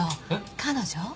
彼女？